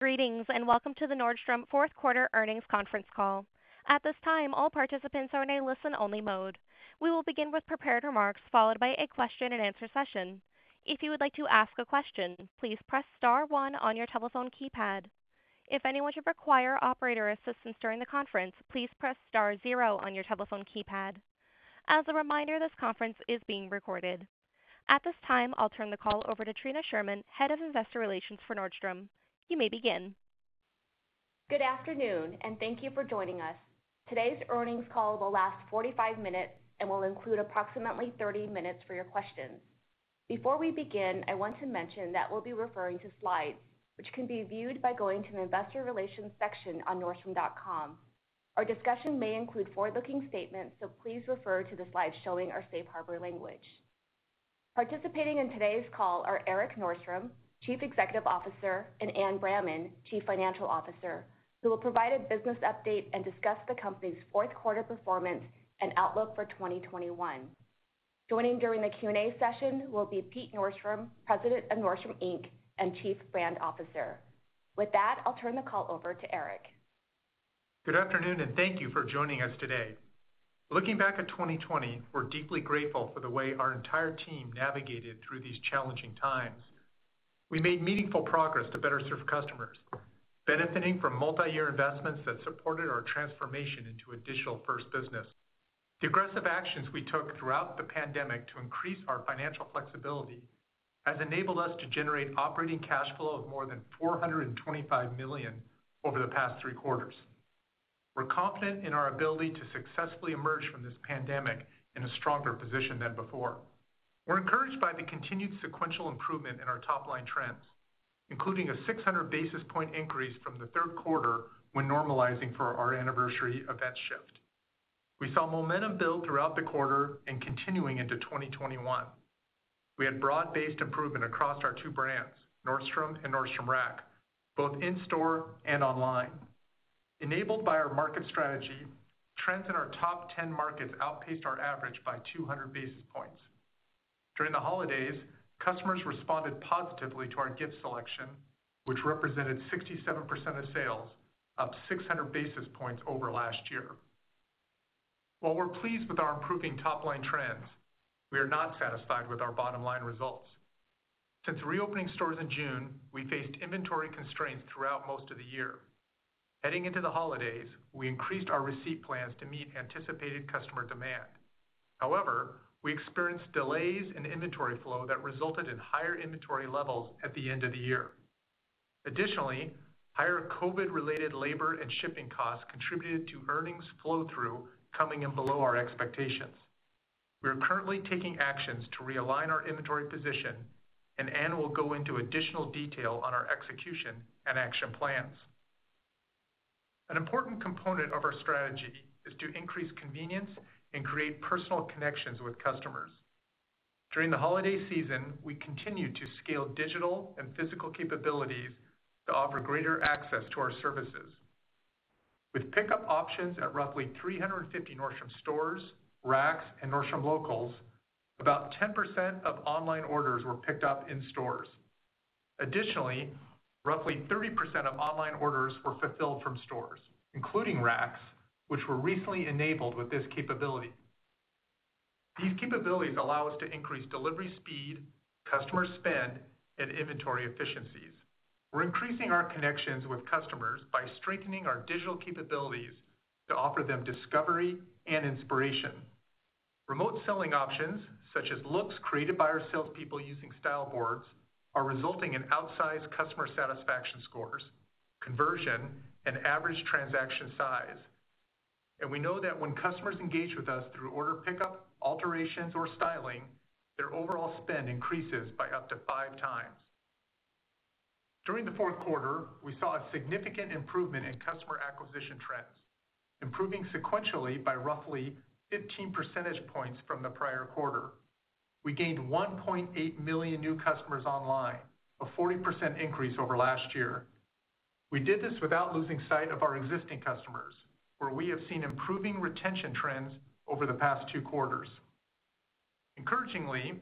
Greetings, and welcome to the Nordstrom Fourth Quarter Earnings Conference Call. At this time, all participants are in a listen-only mode. We will begin with prepared remarks, followed by a question and answer session. If you would like to ask a question, please press star one on your telephone keypad. If anyone should require operator assistance during the conference, please press star zero on your telephone keypad. As a reminder, this conference is being recorded. At this time, I'll turn the call over to Trina Schurman, Head of Investor Relations for Nordstrom. You may begin. Good afternoon, and thank you for joining us. Today's earnings call will last 45 minutes and will include approximately 30 minutes for your questions. Before we begin, I want to mention that we'll be referring to slides, which can be viewed by going to the investor relations section on nordstrom.com. Our discussion may include forward-looking statements, so please refer to the slide showing our safe harbor language. Participating in today's call are Erik Nordstrom, Chief Executive Officer, and Anne Bramman, Chief Financial Officer, who will provide a business update and discuss the company's fourth quarter performance and outlook for 2021. Joining during the Q&A session will be Pete Nordstrom, President of Nordstrom, Inc, and Chief Brand Officer. With that, I'll turn the call over to Erik. Good afternoon. Thank you for joining us today. Looking back at 2020, we're deeply grateful for the way our entire team navigated through these challenging times. We made meaningful progress to better serve customers, benefiting from multi-year investments that supported our transformation into a digital-first business. The aggressive actions we took throughout the pandemic to increase our financial flexibility has enabled us to generate operating cash flow of more than $425 million over the past three quarters. We're confident in our ability to successfully emerge from this pandemic in a stronger position than before. We're encouraged by the continued sequential improvement in our top-line trends, including a 600 basis point increase from the third quarter when normalizing for our anniversary event shift. We saw momentum build throughout the quarter and continuing into 2021. We had broad-based improvement across our two brands, Nordstrom and Nordstrom Rack, both in-store and online. Enabled by our market strategy, trends in our top 10 markets outpaced our average by 200 basis points. During the holidays, customers responded positively to our gift selection, which represented 67% of sales, up 600 basis points over last year. While we're pleased with our improving top-line trends, we are not satisfied with our bottom-line results. Since reopening stores in June, we faced inventory constraints throughout most of the year. Heading into the holidays, we increased our receipt plans to meet anticipated customer demand. However, we experienced delays in inventory flow that resulted in higher inventory levels at the end of the year. Additionally, higher COVID-related labor and shipping costs contributed to earnings flow-through coming in below our expectations. We are currently taking actions to realign our inventory position, and Anne will go into additional detail on our execution and action plans. An important component of our strategy is to increase convenience and create personal connections with customers. During the holiday season, we continued to scale digital and physical capabilities to offer greater access to our services. With pickup options at roughly 350 Nordstrom stores, Racks, and Nordstrom Locals, about 10% of online orders were picked up in stores. Additionally, roughly 30% of online orders were fulfilled from stores, including Racks, which were recently enabled with this capability. These capabilities allow us to increase delivery speed, customer spend, and inventory efficiencies. We're increasing our connections with customers by strengthening our digital capabilities to offer them discovery and inspiration. Remote selling options, such as looks created by our salespeople using Style Boards, are resulting in outsized customer satisfaction scores, conversion, and average transaction size. We know that when customers engage with us through order pickup, alterations, or styling, their overall spend increases by up to five times. During the fourth quarter, we saw a significant improvement in customer acquisition trends, improving sequentially by roughly 15 percentage points from the prior quarter. We gained 1.8 million new customers online, a 40% increase over last year. We did this without losing sight of our existing customers, where we have seen improving retention trends over the past two quarters. Encouragingly,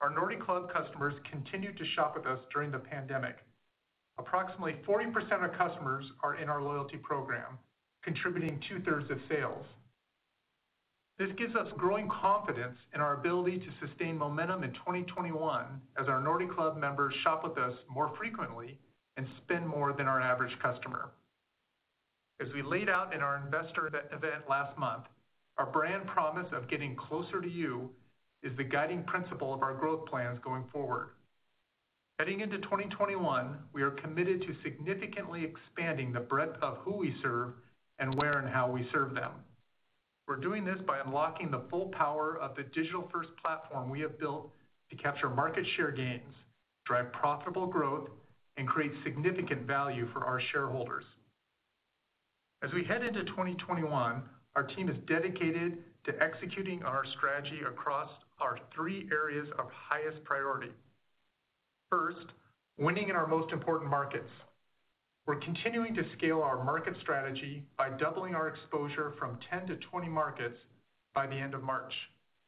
our Nordy Club customers continued to shop with us during the pandemic. Approximately 40% of customers are in our loyalty program, contributing 2/3 of sales. This gives us growing confidence in our ability to sustain momentum in 2021 as our Nordy Club members shop with us more frequently and spend more than our average customer. As we laid out in our Investor Day event last month, our brand promise of getting closer to you is the guiding principle of our growth plans going forward. Heading into 2021, we are committed to significantly expanding the breadth of who we serve and where and how we serve them. We're doing this by unlocking the full power of the digital-first platform we have built to capture market share gains, drive profitable growth, and create significant value for our shareholders. As we head into 2021, our team is dedicated to executing our strategy across our three areas of highest priority. First, winning in our most important markets. We're continuing to scale our market strategy by doubling our exposure from 10 to 20 markets by the end of March,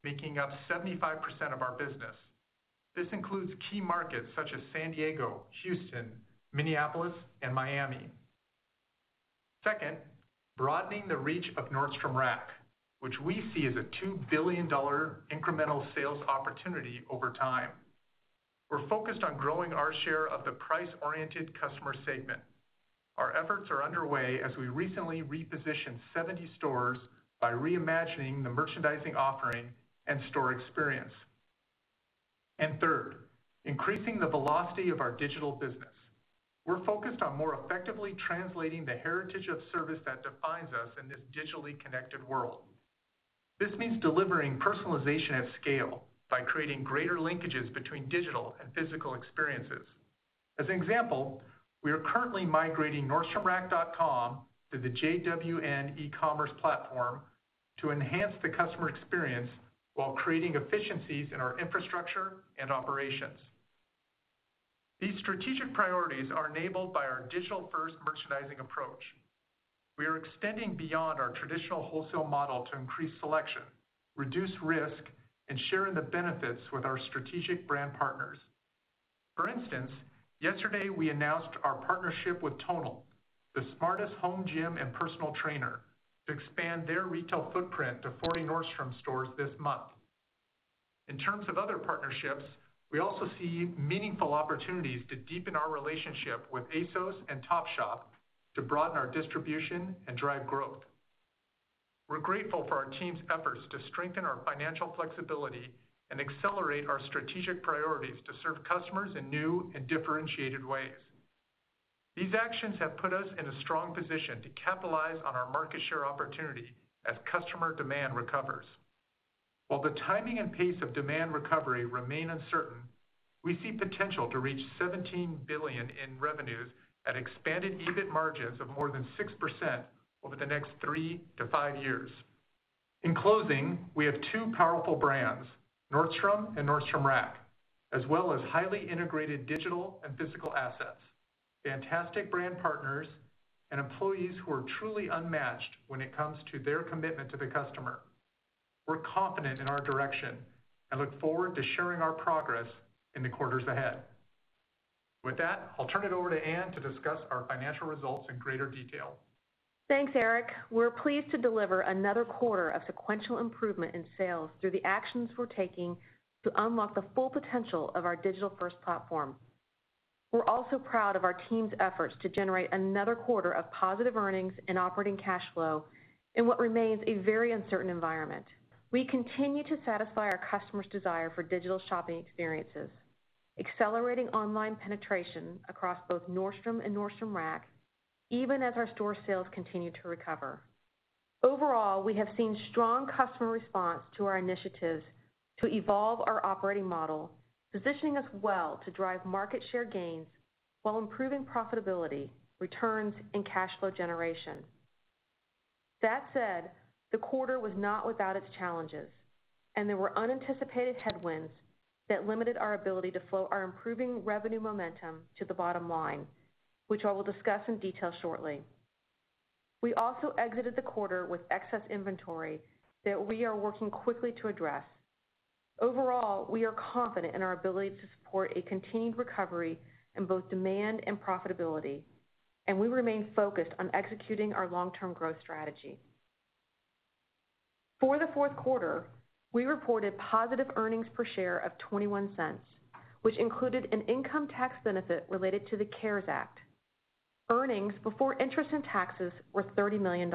making up 75% of our business. This includes key markets such as San Diego, Houston, Minneapolis, and Miami. Second, broadening the reach of Nordstrom Rack, which we see as a $2 billion incremental sales opportunity over time. We're focused on growing our share of the price-oriented customer segment. Our efforts are underway as we recently repositioned 70 stores by reimagining the merchandising offering and store experience. Third, increasing the velocity of our digital business. We're focused on more effectively translating the heritage of service that defines us in this digitally connected world. This means delivering personalization at scale by creating greater linkages between digital and physical experiences. As an example, we are currently migrating nordstromrack.com to the JWN eCommerce platform to enhance the customer experience while creating efficiencies in our infrastructure and operations. These strategic priorities are enabled by our digital-first merchandising approach. We are extending beyond our traditional wholesale model to increase selection, reduce risk, and share in the benefits with our strategic brand partners. For instance, yesterday we announced our partnership with Tonal, the smartest home gym and personal trainer, to expand their retail footprint to 40 Nordstrom stores this month. In terms of other partnerships, we also see meaningful opportunities to deepen our relationship with ASOS and Topshop to broaden our distribution and drive growth. We're grateful for our team's efforts to strengthen our financial flexibility and accelerate our strategic priorities to serve customers in new and differentiated ways. These actions have put us in a strong position to capitalize on our market share opportunity as customer demand recovers. While the timing and pace of demand recovery remain uncertain, we see potential to reach $17 billion in revenues at expanded EBIT margins of more than 6% over the next three to five years. In closing, we have two powerful brands, Nordstrom and Nordstrom Rack, as well as highly integrated digital and physical assets, fantastic brand partners, and employees who are truly unmatched when it comes to their commitment to the customer. We're confident in our direction and look forward to sharing our progress in the quarters ahead. With that, I'll turn it over to Anne to discuss our financial results in greater detail. Thanks, Erik. We're pleased to deliver another quarter of sequential improvement in sales through the actions we're taking to unlock the full potential of our digital-first platform. We're also proud of our team's efforts to generate another quarter of positive earnings and operating cash flow in what remains a very uncertain environment. We continue to satisfy our customers' desire for digital shopping experiences, accelerating online penetration across both Nordstrom and Nordstrom Rack, even as our store sales continue to recover. Overall, we have seen strong customer response to our initiatives to evolve our operating model, positioning us well to drive market share gains while improving profitability, returns, and cash flow generation. That said, the quarter was not without its challenges, and there were unanticipated headwinds that limited our ability to flow our improving revenue momentum to the bottom line, which I will discuss in detail shortly. We also exited the quarter with excess inventory that we are working quickly to address. Overall, we are confident in our ability to support a continued recovery in both demand and profitability, and we remain focused on executing our long-term growth strategy. For the fourth quarter, we reported positive earnings per share of $0.21, which included an income tax benefit related to the CARES Act. Earnings before interest and taxes were $30 million.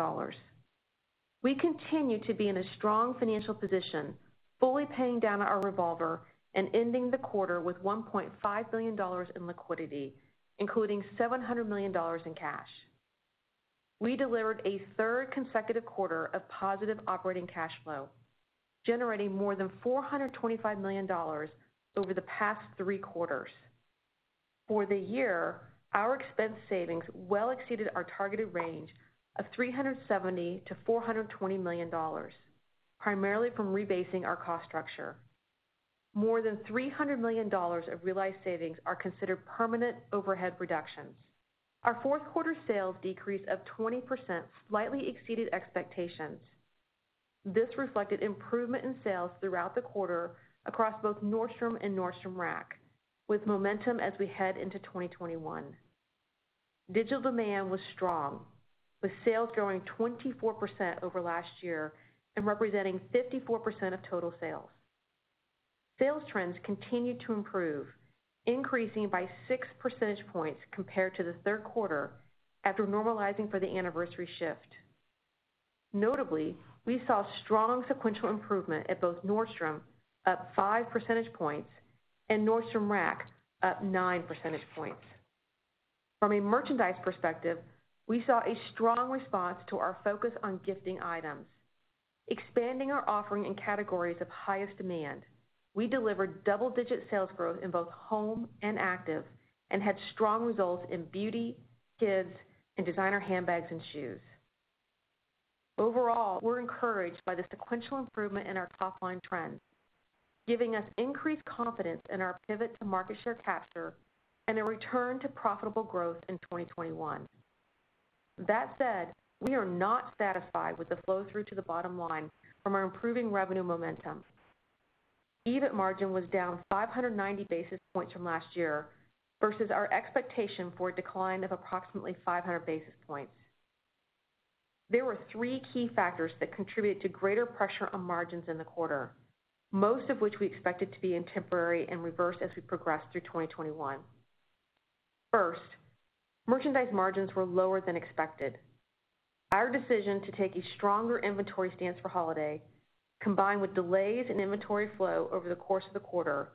We continue to be in a strong financial position, fully paying down our revolver and ending the quarter with $1.5 billion in liquidity, including $700 million in cash. We delivered a third consecutive quarter of positive operating cash flow, generating more than $425 million over the past three quarters. For the year, our expense savings well exceeded our targeted range of $370 million-$420 million, primarily from rebasing our cost structure. More than $300 million of realized savings are considered permanent overhead reductions. Our fourth quarter sales decrease of 20% slightly exceeded expectations. This reflected improvement in sales throughout the quarter across both Nordstrom and Nordstrom Rack, with momentum as we head into 2021. Digital demand was strong, with sales growing 24% over last year and representing 54% of total sales. Sales trends continued to improve, increasing by 6 percentage points compared to the third quarter after normalizing for the anniversary shift. Notably, we saw strong sequential improvement at both Nordstrom, up 5 percentage points, and Nordstrom Rack, up 9 percentage points. From a merchandise perspective, we saw a strong response to our focus on gifting items. Expanding our offering in categories of highest demand, we delivered double-digit sales growth in both home and active and had strong results in beauty, kids, and designer handbags and shoes. Overall, we're encouraged by the sequential improvement in our top-line trend, giving us increased confidence in our pivot to market share capture and a return to profitable growth in 2021. That said, we are not satisfied with the flow-through to the bottom line from our improving revenue momentum. EBIT margin was down 590 basis points from last year versus our expectation for a decline of approximately 500 basis points. There were three key factors that contributed to greater pressure on margins in the quarter, most of which we expected to be temporary and reverse as we progress through 2021. First, merchandise margins were lower than expected. Our decision to take a stronger inventory stance for holiday, combined with delays in inventory flow over the course of the quarter,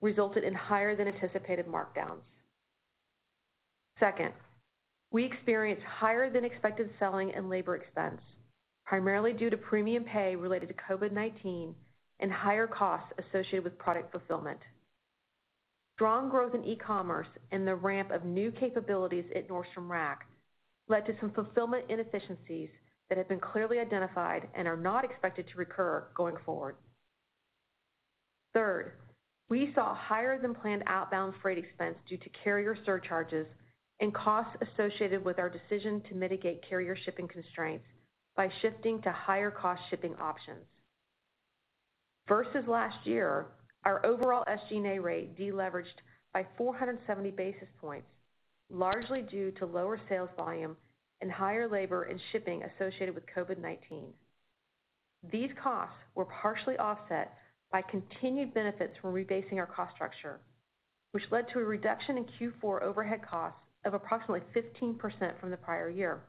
resulted in higher than anticipated markdowns. Second, we experienced higher than expected selling and labor expense, primarily due to premium pay related to COVID-19 and higher costs associated with product fulfillment. Strong growth in e-commerce and the ramp of new capabilities at Nordstrom Rack led to some fulfillment inefficiencies that have been clearly identified and are not expected to recur going forward. Third, we saw higher-than-planned outbound freight expense due to carrier surcharges and costs associated with our decision to mitigate carrier shipping constraints by shifting to higher-cost shipping options. Versus last year, our overall SG&A rate deleveraged by 470 basis points, largely due to lower sales volume and higher labor and shipping associated with COVID-19. These costs were partially offset by continued benefits from rebasing our cost structure, which led to a reduction in Q4 overhead costs of approximately 15% from the prior year.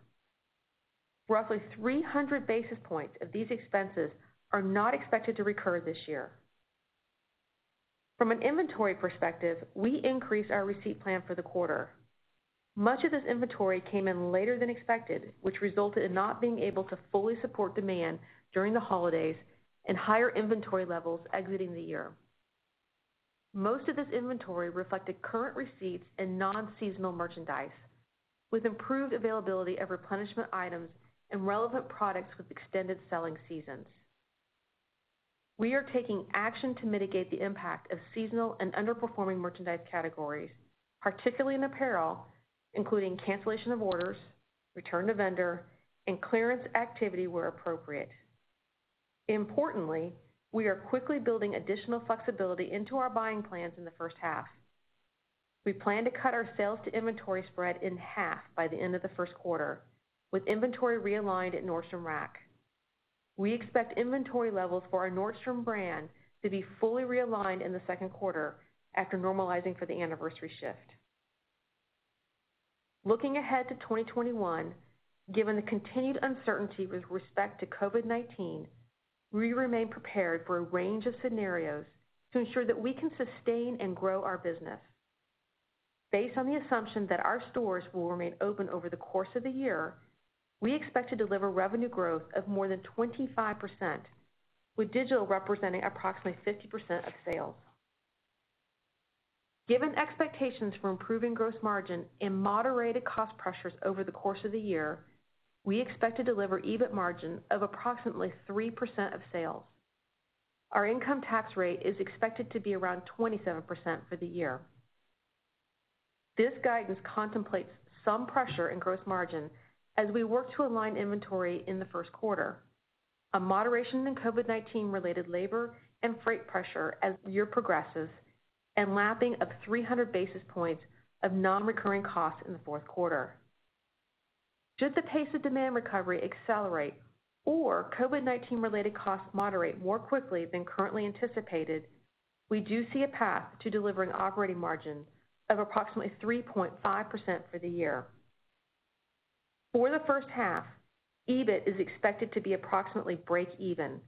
Roughly 300 basis points of these expenses are not expected to recur this year. From an inventory perspective, we increased our receipt plan for the quarter. Much of this inventory came in later than expected, which resulted in not being able to fully support demand during the holidays and higher inventory levels exiting the year. Most of this inventory reflected current receipts and non-seasonal merchandise with improved availability of replenishment items and relevant products with extended selling seasons. We are taking action to mitigate the impact of seasonal and underperforming merchandise categories, particularly in apparel, including cancellation of orders, return to vendor, and clearance activity where appropriate. Importantly, we are quickly building additional flexibility into our buying plans in the first half. We plan to cut our sales to inventory spread in half by the end of the first quarter, with inventory realigned at Nordstrom Rack. We expect inventory levels for our Nordstrom brand to be fully realigned in the second quarter after normalizing for the anniversary shift. Looking ahead to 2021, given the continued uncertainty with respect to COVID-19, we remain prepared for a range of scenarios to ensure that we can sustain and grow our business. Based on the assumption that our stores will remain open over the course of the year, we expect to deliver revenue growth of more than 25%, with digital representing approximately 50% of sales. Given expectations for improving gross margin and moderated cost pressures over the course of the year, we expect to deliver EBIT margin of approximately 3% of sales. Our income tax rate is expected to be around 27% for the year. This guidance contemplates some pressure in gross margin as we work to align inventory in the first quarter. A moderation in COVID-19-related labor and freight pressure as the year progresses, and lapping of 300 basis points of non-recurring costs in the fourth quarter. Should the pace of demand recovery accelerate or COVID-19-related costs moderate more quickly than currently anticipated, we do see a path to delivering operating margin of approximately 3.5% for the year. For the first half, EBIT is expected to be approximately break even,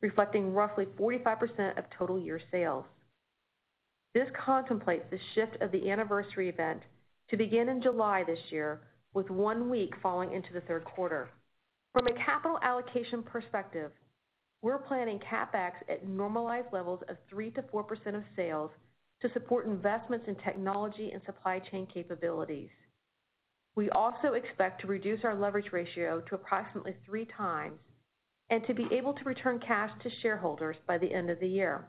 reflecting roughly 45% of total year sales. This contemplates the shift of the anniversary event to begin in July this year, with one week falling into the third quarter. From a capital allocation perspective, we're planning CapEx at normalized levels of 3%-4% of sales to support investments in technology and supply chain capabilities. We also expect to reduce our leverage ratio to approximately 3x and to be able to return cash to shareholders by the end of the year.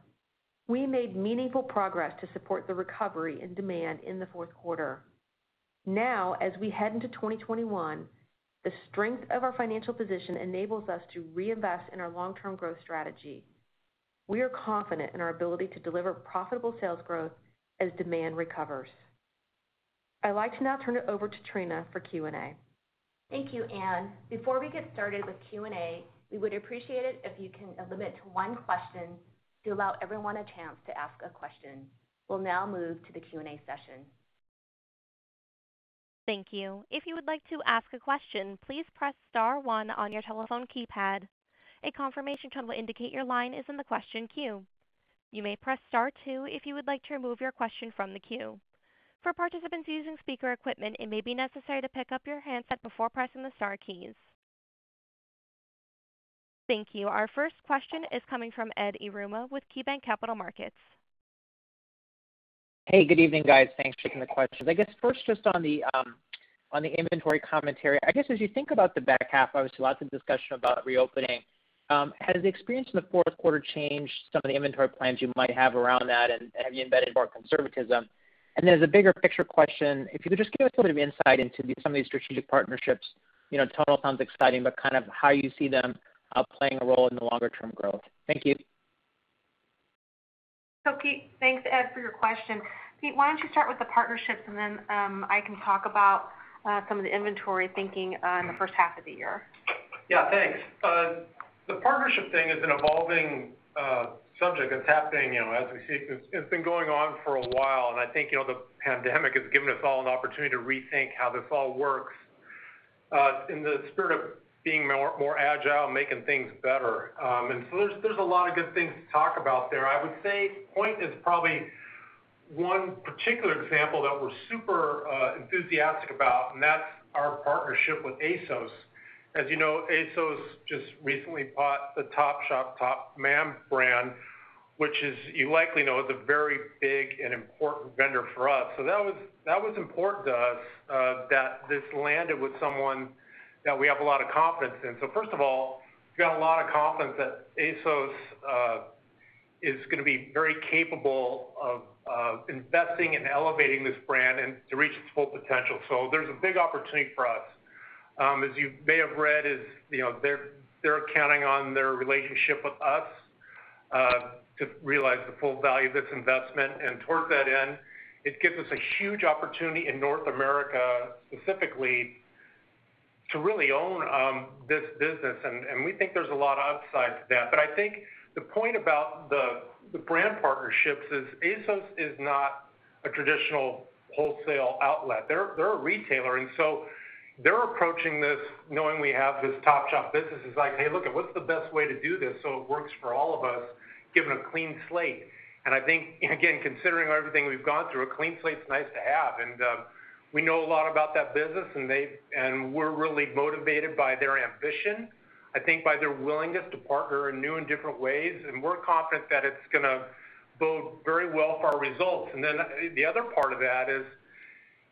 We made meaningful progress to support the recovery and demand in the fourth quarter. Now, as we head into 2021, the strength of our financial position enables us to reinvest in our long-term growth strategy. We are confident in our ability to deliver profitable sales growth as demand recovers. I'd like to now turn it over to Trina for Q&A. Thank you, Anne. Before we get started with Q&A, we would appreciate it if you can limit to one question to allow everyone a chance to ask a question. We'll now move to the Q&A session. Thank you. If you would like to ask a question, please press star one on your telephone keypad. A confirmation tone will indicate your line is in the question queue. You may press star two if you would like to remove your question from the queue. For participants using speaker equipment, it may be necessary to pick up your handset before pressing the star keys. Thank you. Our first question is coming from Ed Yruma with KeyBanc Capital Markets. Hey, good evening, guys. Thanks for taking the questions. I guess first, just on the inventory commentary. I guess as you think about the back half, obviously, lots of discussion about reopening. Has the experience in the fourth quarter changed some of the inventory plans you might have around that, and have you embedded more conservatism? As a bigger picture question, if you could just give us a little bit of insight into some of these strategic partnerships. Tonal sounds exciting, but kind of how you see them playing a role in the longer-term growth? Thank you. Pete, thanks, Ed, for your question. Pete, why don't you start with the partnerships and then I can talk about some of the inventory thinking on the first half of the year. Yeah, thanks. The partnership thing is an evolving subject that's happening as we speak. It's been going on for a while. I think, the pandemic has given us all an opportunity to rethink how this all works, in the spirit of being more agile and making things better. There's a lot of good things to talk about there. I would say, point is probably one particular example that we're super enthusiastic about, and that's our partnership with ASOS. As you know, ASOS just recently bought the Topshop/Topman brand, which as you likely know, is a very big and important vendor for us. That was important to us, that this landed with someone that we have a lot of confidence in. First of all, we've got a lot of confidence that ASOS is going to be very capable of investing and elevating this brand, and to reach its full potential. There's a big opportunity for us. As you may have read, they're counting on their relationship with us, to realize the full value of this investment. Towards that end, it gives us a huge opportunity in North America specifically, to really own this business. We think there's a lot of upside to that. I think the point about the brand partnerships is ASOS is not a traditional wholesale outlet. They're a retailer, and so they're approaching this knowing we have this Topshop business. It's like, "Hey, look it, what's the best way to do this so it works for all of us given a clean slate?" I think, again, considering everything we've gone through, a clean slate's nice to have. We know a lot about that business, and we're really motivated by their ambition. I think by their willingness to partner in new and different ways, and we're confident that it's going to bode very well for our results. The other part of that is,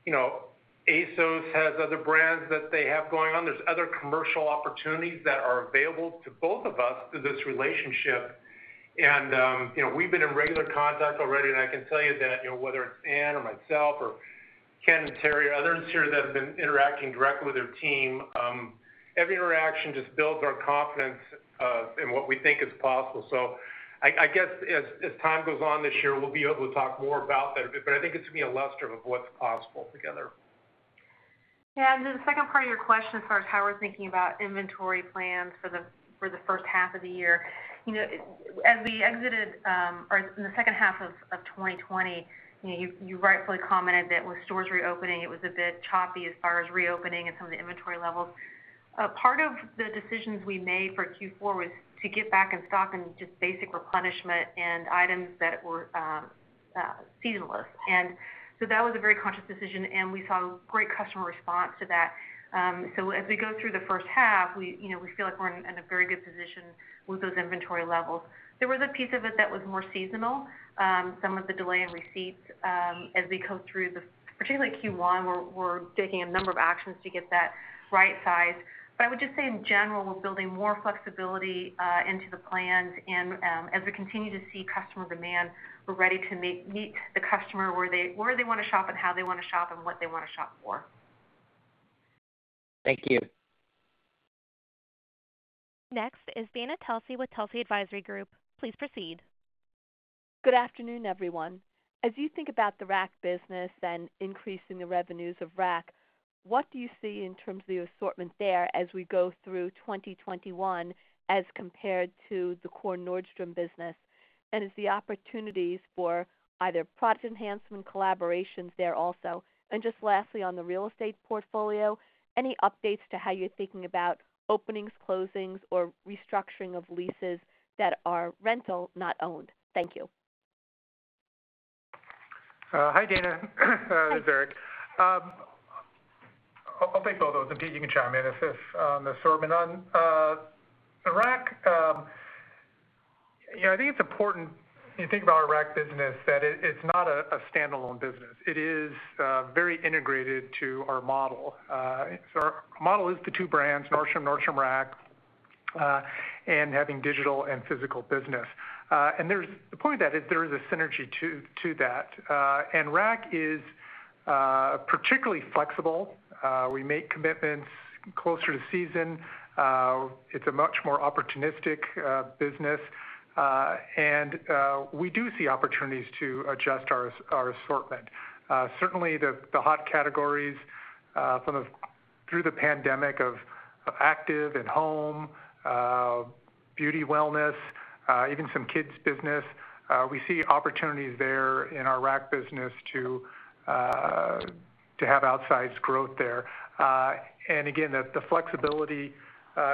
ASOS has other brands that they have going on. There's other commercial opportunities that are available to both of us through this relationship. We've been in regular contact already, and I can tell you that whether it's Anne or myself or Ken and Teri, others here that have been interacting directly with their team, every interaction just builds our confidence in what we think is possible. I guess as time goes on this year, we'll be able to talk more about that. I think it's going to be a luster of what's possible together. Yeah. The second part of your question as far as how we're thinking about inventory plans for the first half of the year. As we exited or in the second half of 2020, you rightfully commented that with stores reopening, it was a bit choppy as far as reopening and some of the inventory levels. Part of the decisions we made for Q4 was to get back in stock on just basic replenishment and items that were seasonless. That was a very conscious decision, and we saw great customer response to that. As we go through the first half, we feel like we're in a very good position with those inventory levels. There was a piece of it that was more seasonal. Some of the delay in receipts, as we go through the, particularly Q1, we're taking a number of actions to get that right-sized. I would just say in general, we're building more flexibility into the plans. As we continue to see customer demand, we're ready to meet the customer where they want to shop and how they want to shop and what they want to shop for. Thank you. Next is Dana Telsey with Telsey Advisory Group. Please proceed. Good afternoon, everyone. As you think about the Rack business and increasing the revenues of Rack, what do you see in terms of the assortment there as we go through 2021 as compared to the core Nordstrom business? Is the opportunities for either product enhancement collaborations there also? Just lastly, on the real estate portfolio, any updates to how you're thinking about openings, closings, or restructuring of leases that are rental, not owned? Thank you. Hi, Dana. Hi. This is Erik. I'll take both of those, and Pete, you can chime in on the assortment. On Rack, I think it's important when you think about our Rack business, that it's not a standalone business. It is very integrated to our model. Our model is the two brands, Nordstrom Rack, and having digital and physical business. The point of that is there is a synergy to that. Rack is particularly flexible. We make commitments closer to season. It's a much more opportunistic business. We do see opportunities to adjust our assortment. Certainly, the hot categories through the pandemic of active and home, beauty, wellness, even some kids business. We see opportunities there in our Rack business to have outsized growth there. Again, the flexibility,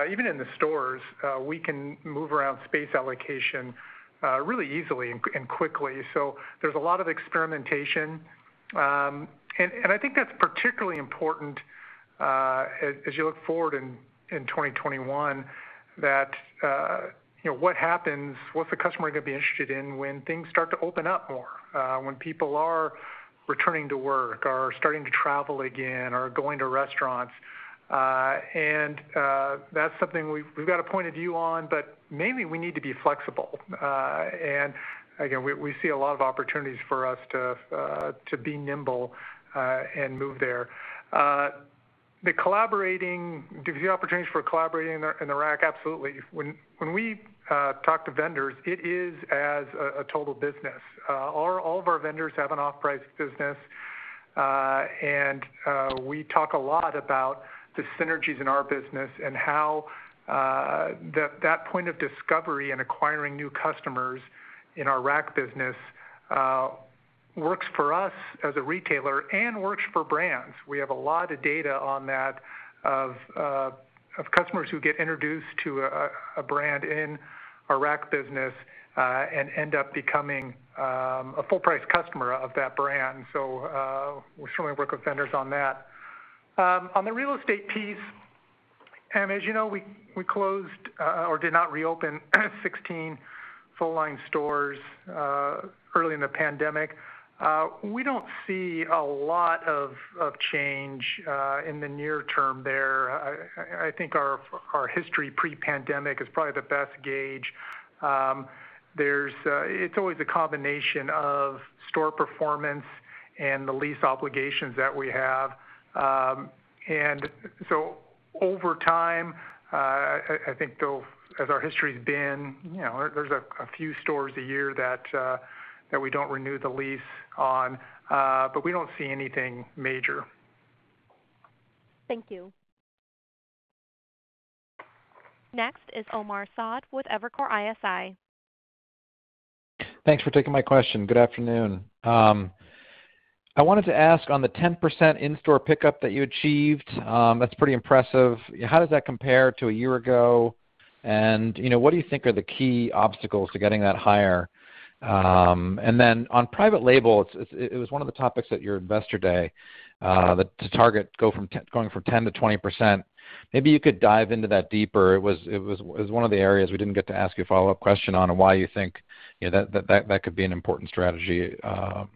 even in the stores, we can move around space allocation really easily and quickly. There's a lot of experimentation. I think that's particularly important, as you look forward in 2021 that, what happens, what's the customer going to be interested in when things start to open up more, when people are returning to work or starting to travel again, or going to restaurants? That's something we've got a point of view on, but mainly we need to be flexible. Again, we see a lot of opportunities for us to be nimble, and move there. The collaborating, do we see opportunities for collaborating in the Rack? Absolutely. When we talk to vendors, it is as a total business. All of our vendors have an off-price business. We talk a lot about the synergies in our business and how that point of discovery and acquiring new customers in our Rack business, works for us as a retailer and works for brands. We have a lot of data on that of customers who get introduced to a brand in our Rack business, and end up becoming a full-price customer of that brand, so we're sort of Rack vendors on that. On the real estate piece, as you know, we closed, or did not reopen 16 full-line stores early in the pandemic. We don't see a lot of change in the near term there. I think our history pre-pandemic is probably the best gauge. It's always a combination of store performance and the lease obligations that we have. Over time, I think as our history's been, there's a few stores a year that we don't renew the lease on. We don't see anything major. Thank you. Next is Omar Saad with Evercore ISI. Thanks for taking my question. Good afternoon. I wanted to ask on the 10% in-store pickup that you achieved, that's pretty impressive. How does that compare to a year ago? What do you think are the key obstacles to getting that higher? On private label, it was one of the topics at your investor day, that to target going from 10% to 20%. Maybe you could dive into that deeper. It was one of the areas we didn't get to ask you a follow-up question on, and why you think that could be an important strategy to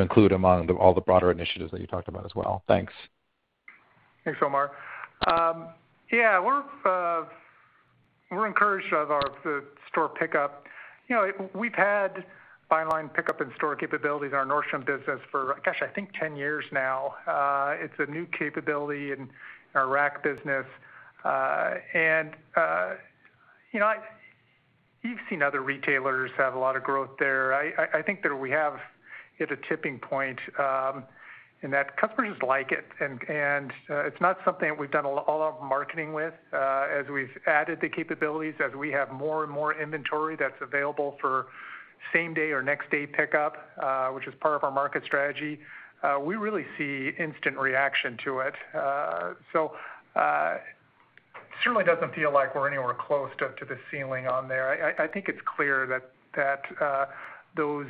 include among all the broader initiatives that you talked about as well. Thanks. Thanks, Omar. Yeah, we're encouraged of the store pickup. We've had buy online, pickup in-store capabilities in our Nordstrom business for, gosh, I think 10 years now. It's a new capability in our Rack business. You've seen other retailers have a lot of growth there. I think that we have hit a tipping point, in that customers just like it, and it's not something that we've done a lot of marketing with. As we've added the capabilities, as we have more and more inventory that's available for same-day or next-day pickup, which is part of our market strategy, we really see instant reaction to it. It certainly doesn't feel like we're anywhere close to the ceiling on there. I think it's clear that those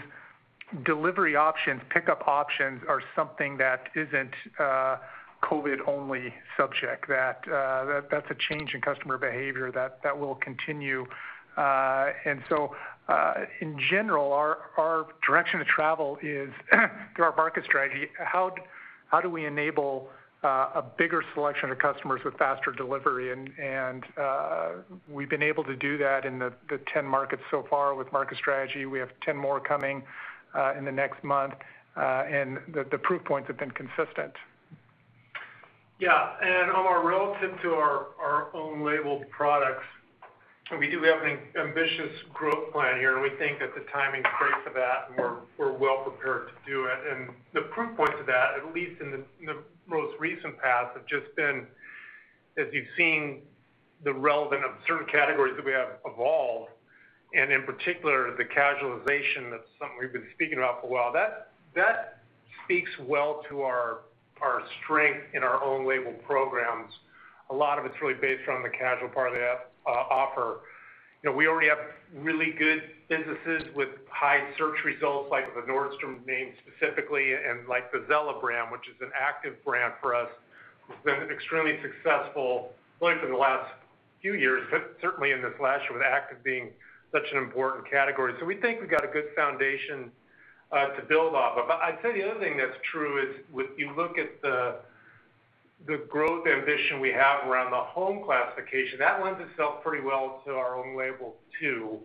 delivery options, pickup options are something that isn't a COVID-only subject, that's a change in customer behavior that will continue. In general, our direction of travel is through our market strategy. How do we enable a bigger selection of customers with faster delivery? We've been able to do that in the 10 markets so far with market strategy. We have 10 more coming in the next month. The proof points have been consistent. Yeah. Omar, relative to our own labeled products, we do have an ambitious growth plan here, and we think that the timing's great for that, and we're well prepared to do it. The proof points of that, at least in the most recent path, have just been as you've seen the relevance of certain categories that we have evolved, and in particular, the casualization, that's something we've been speaking about for a while. That speaks well to our strength in our own label programs. A lot of it's really based around the casual part of the offer. We already have really good businesses with high search results, like the Nordstrom name specifically, and like the Zella brand, which is an active brand for us, which has been extremely successful, really for the last few years, but certainly in this last year with active being such an important category. We think we've got a good foundation to build off of. I'd say the other thing that's true is if you look at the growth ambition we have around the home classification, that lends itself pretty well to our own label, too.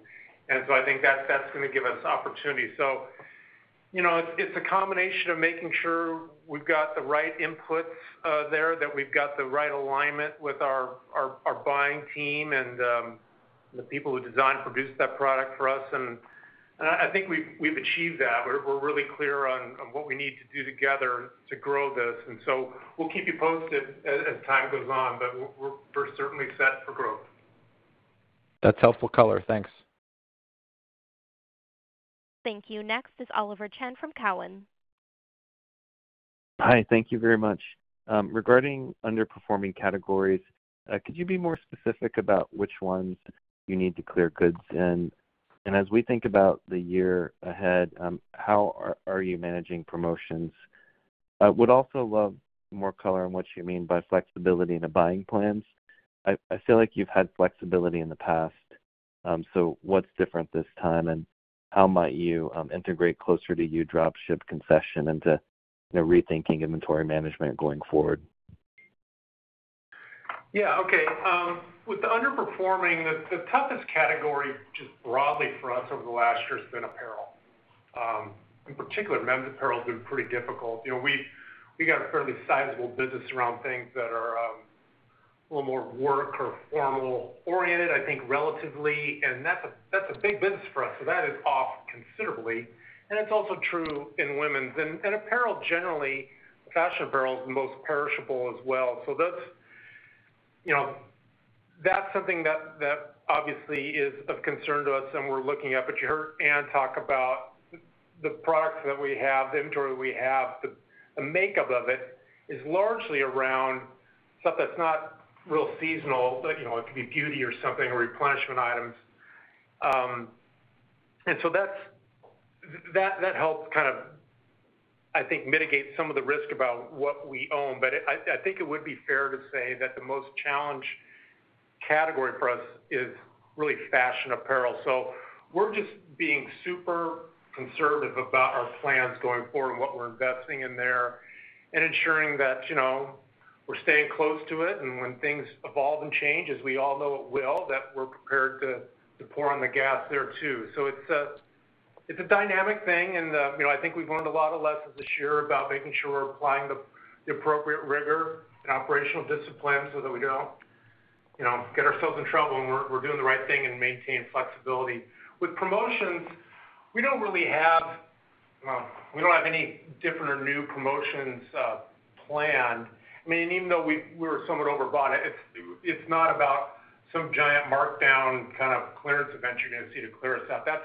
I think that's going to give us opportunity. It's a combination of making sure we've got the right inputs there, that we've got the right alignment with our buying team and the people who design and produce that product for us, and I think we've achieved that. We're really clear on what we need to do together to grow this. We'll keep you posted as time goes on, but we're certainly set for growth. That's helpful color. Thanks. Thank you. Next is Oliver Chen from Cowen. Hi, thank you very much. Regarding underperforming categories, could you be more specific about which ones you need to clear goods in? As we think about the year ahead, how are you managing promotions? I would also love more color on what you mean by flexibility in the buying plans. I feel like you've had flexibility in the past, what's different this time, and how might you integrate closer to you drop ship concession into rethinking inventory management going forward? Yeah. Okay. With the underperforming, the toughest category, just broadly for us over the last year has been apparel. In particular, men's apparel has been pretty difficult. We got a fairly sizable business around things that are a little more work or formal oriented, I think, relatively, and that's a big business for us. That is off considerably, and it's also true in women's. Apparel, generally, fashion apparel is the most perishable as well. That's something that obviously is of concern to us and we're looking at, but you heard Anne talk about the products that we have, the inventory that we have, the makeup of it is largely around stuff that's not real seasonal. It could be beauty or something, or replenishment items. That helps, I think, mitigate some of the risk about what we own. I think it would be fair to say that the most challenged category for us is really fashion apparel. We're just being super conservative about our plans going forward and what we're investing in there and ensuring that we're staying close to it. When things evolve and change, as we all know it will, that we're prepared to pour on the gas there, too. It's a dynamic thing, and I think we've learned a lot of lessons this year about making sure we're applying the appropriate rigor and operational discipline so that we don't get ourselves in trouble, and we're doing the right thing and maintain flexibility. With promotions, we don't have any different or new promotions planned. Even though we were somewhat overbought, it's not about some giant markdown clearance event you're going to see to clear us out. That's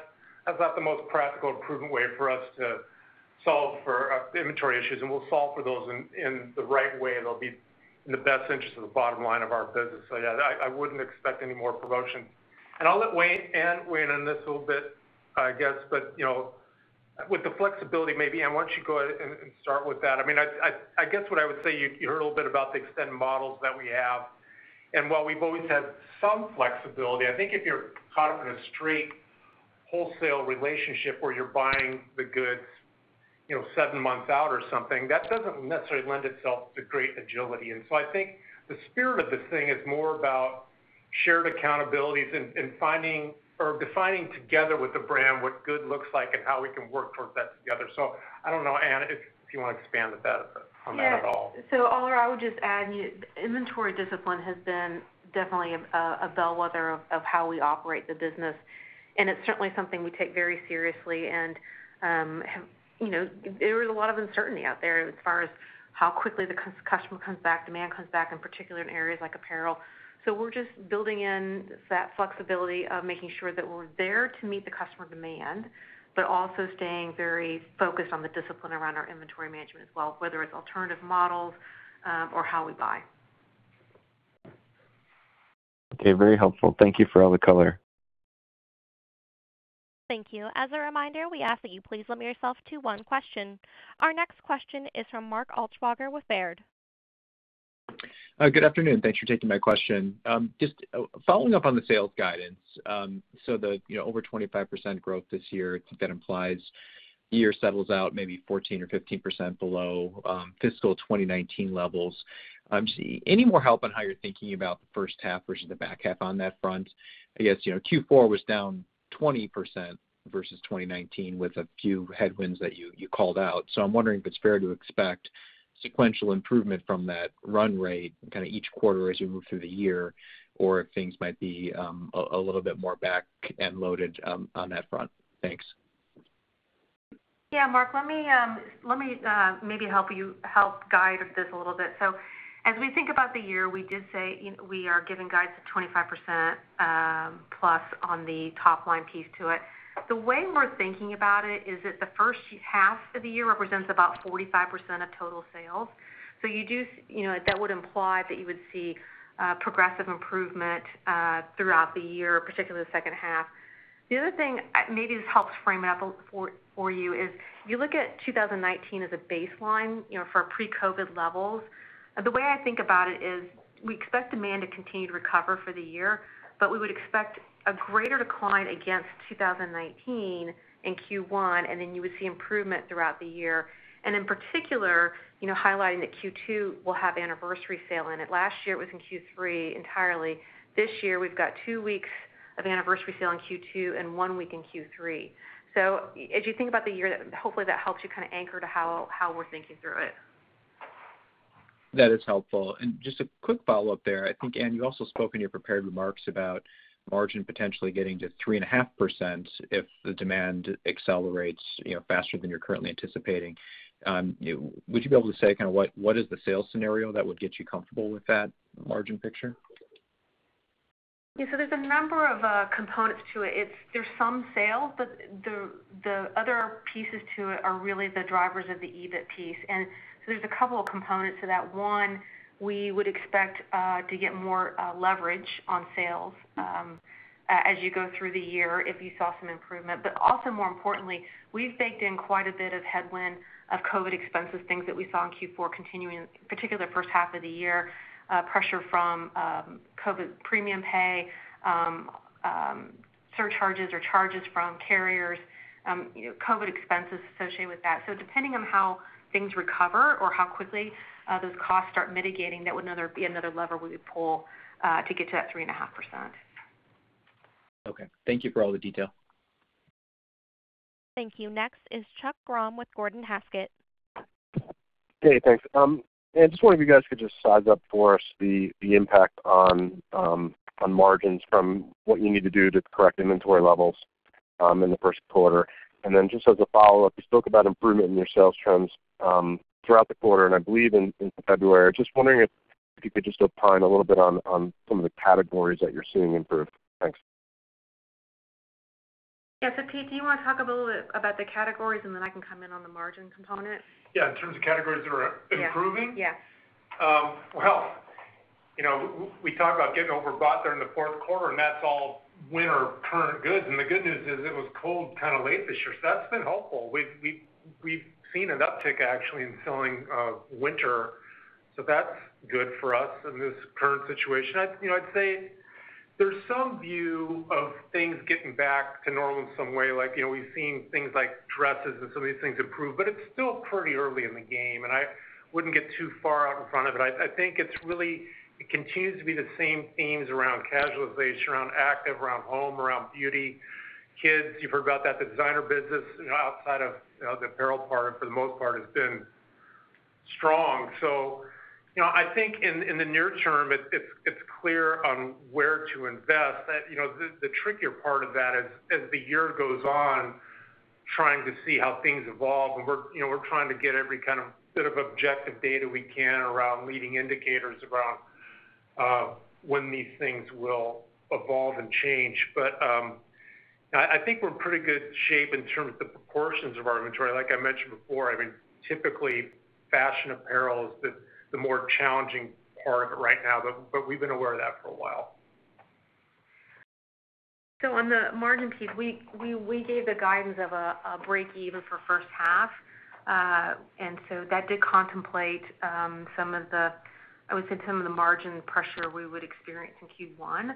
not the most practical and prudent way for us to solve for inventory issues. We'll solve for those in the right way, and they'll be in the best interest of the bottom line of our business. Yeah, I wouldn't expect any more promotions. I'll let Anne weigh in on this a little bit, I guess. With the flexibility, maybe, Anne, why don't you go ahead and start with that? I guess what I would say, you heard a little bit about the extended models that we have, and while we've always had some flexibility, I think if you're caught up in a straight wholesale relationship where you're buying the goods seven months out or something, that doesn't necessarily lend itself to great agility. I think the spirit of the thing is more about shared accountabilities and defining together with the brand what good looks like and how we can work towards that together. I don't know, Anne, if you want to expand on that at all. Oliver, I would just add, inventory discipline has been definitely a bellwether of how we operate the business, and it's certainly something we take very seriously. There is a lot of uncertainty out there as far as how quickly the customer comes back, demand comes back, in particular in areas like apparel. We're just building in that flexibility of making sure that we're there to meet the customer demand, but also staying very focused on the discipline around our inventory management as well, whether it's alternative models or how we buy. Okay. Very helpful. Thank you for all the color. Thank you. As a reminder, we ask that you please limit yourself to one question. Our next question is from Mark Altschwager with Baird. Good afternoon. Thanks for taking my question. Just following up on the sales guidance. The over 25% growth this year, I think that implies the year settles out maybe 14% or 15% below fiscal 2019 levels. Any more help on how you're thinking about the first half versus the back half on that front? I guess Q4 was down 20% versus 2019 with a few headwinds that you called out. I'm wondering if it's fair to expect sequential improvement from that run rate each quarter as you move through the year, or if things might be a little bit more back-end loaded on that front. Thanks. Mark, let me maybe help guide this a little bit. As we think about the year, we did say we are giving guidance of 25%+ on the top-line piece to it. The way we're thinking about it is that the first half of the year represents about 45% of total sales. That would imply that you would see progressive improvement throughout the year, particularly the second half. The other thing, maybe this helps frame it up for you, is if you look at 2019 as a baseline for pre-COVID-19 levels, the way I think about it is we expect demand to continue to recover for the year, but we would expect a greater decline against 2019 in Q1, then you would see improvement throughout the year. In particular, highlighting that Q2 will have Anniversary Sale in it. Last year, it was in Q3 entirely. This year, we've got two weeks of Anniversary Sale in Q2 and one week in Q3. As you think about the year, hopefully, that helps you anchor to how we're thinking through it. That is helpful. Just a quick follow-up there. I think, Anne, you also spoke in your prepared remarks about margin potentially getting to 3.5% if the demand accelerates faster than you're currently anticipating. Would you be able to say what is the sales scenario that would get you comfortable with that margin picture? Yeah. There's a number of components to it. There's some sales, the other pieces to it are really the drivers of the EBIT piece. There's a couple of components to that. One, we would expect to get more leverage on sales as you go through the year if you saw some improvement. Also more importantly, we've baked in quite a bit of headwind of COVID expenses, things that we saw in Q4 continuing, particularly the first half of the year, pressure from COVID premium pay, surcharges or charges from carriers, COVID expenses associated with that. Depending on how things recover or how quickly those costs start mitigating, that would be another lever we would pull to get to that 3.5%. Okay. Thank you for all the detail. Thank you. Next is Chuck Grom with Gordon Haskett. Hey, thanks. Yeah, just wondering if you guys could just size up for us the impact on margins from what you need to do to correct inventory levels in the first quarter. Just as a follow-up, you spoke about improvement in your sales trends throughout the quarter, and I believe in February. Just wondering if you could just opine a little bit on some of the categories that you're seeing improve. Thanks. Yeah. Pete, do you want to talk a little bit about the categories, and then I can come in on the margin component? Yeah. In terms of categories that are improving? Yeah. Well, we talk about getting overbought there in the fourth quarter, and that's all winter current goods. The good news is it was cold late this year. That's been helpful. We've seen an uptick, actually, in selling winter. That's good for us in this current situation. I'd say there's some view of things getting back to normal in some way. We've seen things like dresses and some of these things improve, but it's still pretty early in the game, and I wouldn't get too far out in front of it. I think it continues to be the same themes around casualization, around active, around home, around beauty. Kids, you've heard about that. The designer business, outside of the apparel part for the most part has been strong. I think in the near term, it's clear on where to invest. The trickier part of that is as the year goes on, trying to see how things evolve. We're trying to get every bit of objective data we can around leading indicators around when these things will evolve and change. I think we're in pretty good shape in terms of the proportions of our inventory. Like I mentioned before, typically fashion apparel is the more challenging part of it right now. We've been aware of that for a while. On the margin piece, we gave the guidance of a break-even for first half. That did contemplate some of the, I would say, margin pressure we would experience in Q1.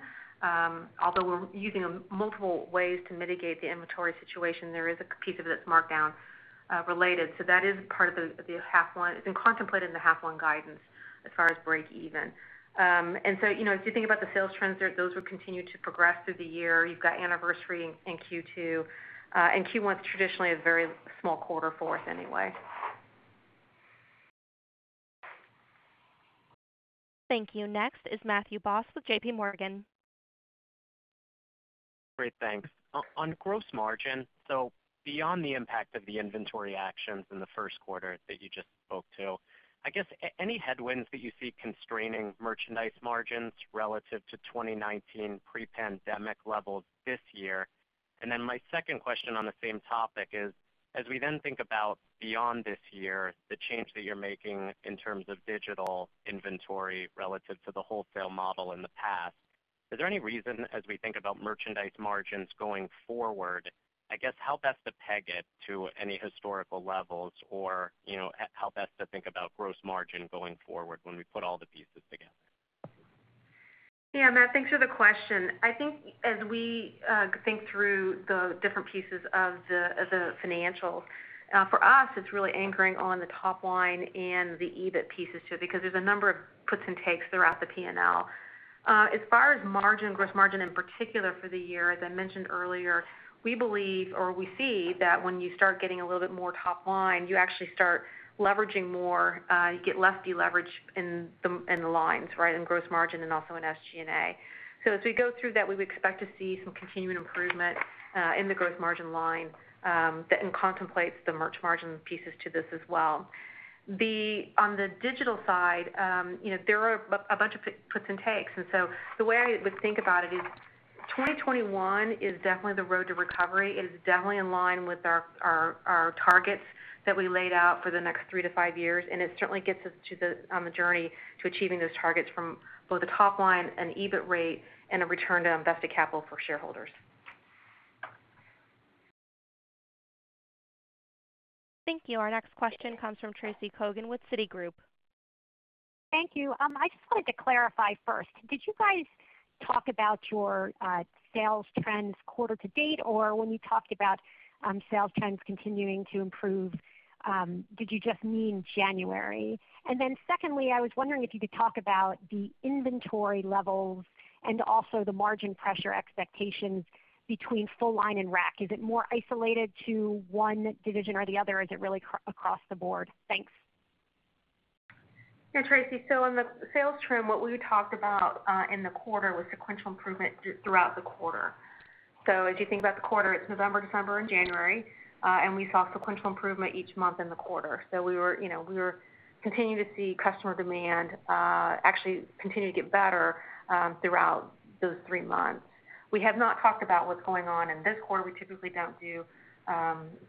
Although we're using multiple ways to mitigate the inventory situation, there is a piece of it that's markdown related. That is part of the half one. It's been contemplated in the half one guidance as far as break-even. As you think about the sales trends there, those will continue to progress through the year. You've got anniversary in Q2. Q1 is traditionally a very small quarter for us anyway. Thank you. Next is Matthew Boss with JPMorgan. Great, thanks. On gross margin, beyond the impact of the inventory actions in the first quarter that you just spoke to, I guess, any headwinds that you see constraining merchandise margins relative to 2019 pre-pandemic levels this year? Then my second question on the same topic is: as we then think about beyond this year, the change that you're making in terms of digital inventory relative to the wholesale model in the past, is there any reason, as we think about merchandise margins going forward, I guess, how best to peg it to any historical levels or, how best to think about gross margin going forward when we put all the pieces together? Yeah, Matt, thanks for the question. I think as we think through the different pieces of the financials, for us, it's really anchoring on the top line and the EBIT pieces too, because there's a number of puts and takes throughout the P&L. As far as margin, gross margin in particular for the year, as I mentioned earlier, we believe or we see that when you start getting a little bit more top line, you actually start leveraging more. You get less deleverage in the lines, right, in gross margin and also in SG&A. As we go through that, we would expect to see some continuing improvement in the gross margin line, and contemplates the merch margin pieces to this as well. On the digital side, there are a bunch of puts and takes. The way I would think about it is 2021 is definitely the road to recovery. It is definitely in line with our targets that we laid out for the next three to five years. It certainly gets us on the journey to achieving those targets from both the top line and EBIT rate and a return on invested capital for shareholders. Thank you. Our next question comes from Tracy Kogan with Citigroup. Thank you. I just wanted to clarify first, did you guys talk about your sales trends quarter to date, or when you talked about sales trends continuing to improve, did you just mean January? Secondly, I was wondering if you could talk about the inventory levels and also the margin pressure expectations between full line and Rack. Is it more isolated to one division or the other? Is it really across the board? Thanks. Yeah, Tracy. On the sales trend, what we talked about in the quarter was sequential improvement throughout the quarter. So as you think about the quarter, it's November, December, and January. We saw sequential improvement each month in the quarter. We were continuing to see customer demand actually continue to get better throughout those three months. We have not talked about what's going on in this quarter. We typically don't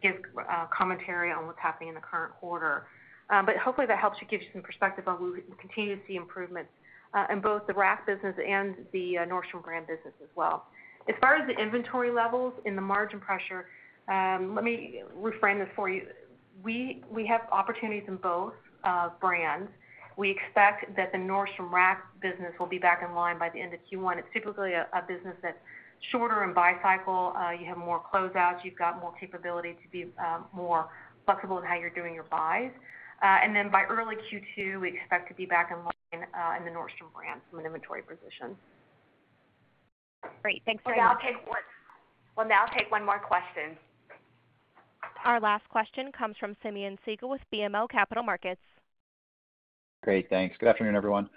give commentary on what's happening in the current quarter. Hopefully that helps to give you some perspective on where we continue to see improvements in both the Rack business and the Nordstrom brand business as well. As far as the inventory levels and the margin pressure, let me reframe this for you. We have opportunities in both brands. We expect that the Nordstrom Rack business will be back in line by the end of Q1. It's typically a business that's shorter in buy cycle, you have more closeouts, you've got more capability to be more flexible in how you're doing your buys. By early Q2, we expect to be back in line in the Nordstrom brand from an inventory position. Great. Thanks very much. We'll now take one more question. Our last question comes from Simeon Siegel with BMO Capital Markets. Great. Thanks. Good afternoon, everyone.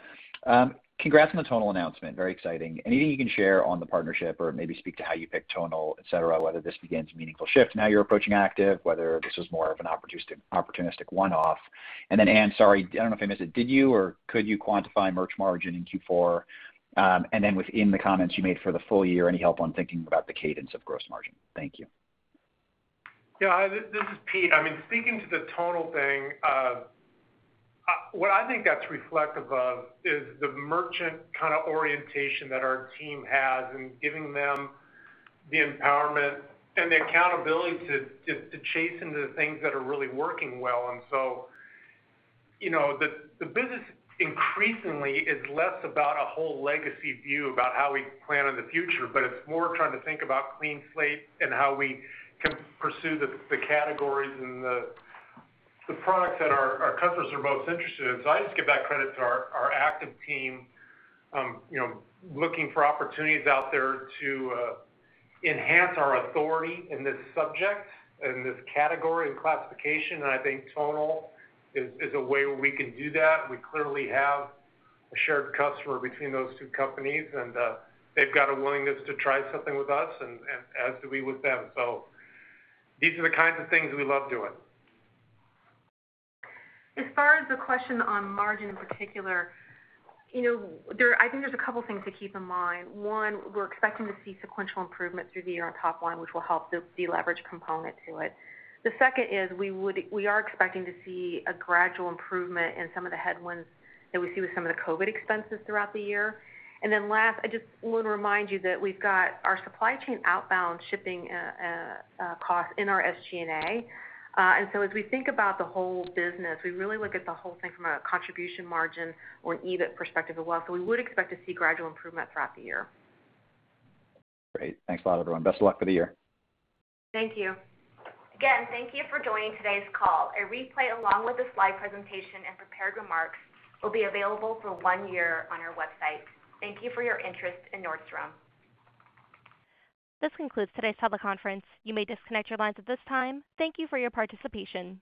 Congrats on the Tonal announcement. Very exciting. Anything you can share on the partnership or maybe speak to how you picked Tonal, et cetera, whether this begins a meaningful shift in how you're approaching active, whether this is more of an opportunistic one-off. Anne, sorry, I don't know if I missed it. Did you or could you quantify merch margin in Q4? Within the comments you made for the full year, any help on thinking about the cadence of gross margin? Thank you. Yeah. This is Pete. Speaking to the Tonal thing, what I think that's reflective of is the merchant kind of orientation that our team has in giving them the empowerment and the accountability to chase into the things that are really working well. The business increasingly is less about a whole legacy view about how we plan in the future, but it's more trying to think about clean slate and how we can pursue the categories and the products that our customers are most interested in. I just give that credit to our active team looking for opportunities out there to enhance our authority in this subject and this category and classification, and I think Tonal is a way where we can do that. We clearly have a shared customer between those two companies, and they've got a willingness to try something with us, and as do we with them. These are the kinds of things we love doing. As far as the question on margin in particular, I think there's a couple things to keep in mind. One, we're expecting to see sequential improvement through the year on top line, which will help the deleverage component to it. The second is we are expecting to see a gradual improvement in some of the headwinds that we see with some of the COVID expenses throughout the year. Last, I just want to remind you that we've got our supply chain outbound shipping cost in our SG&A. As we think about the whole business, we really look at the whole thing from a contribution margin or an EBIT perspective as well. We would expect to see gradual improvement throughout the year. Great. Thanks a lot, everyone. Best of luck for the year. Thank you. Again, thank you for joining today's call. A replay, along with the slide presentation and prepared remarks, will be available for one year on our website. Thank you for your interest in Nordstrom. This concludes today's teleconference. You may disconnect your lines at this time. Thank you for your participation.